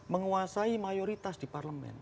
menguasai mayoritas di parlemen